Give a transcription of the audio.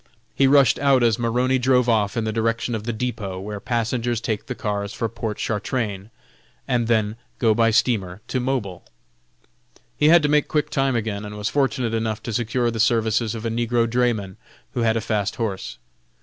He rushed out as Maroney drove off in the direction of the depot where passengers take the cars for Pontchartrain, and then go by steamer to Mobile. He had to make quick time again, and was fortunate enough to secure the services of a negro drayman who had a fast horse.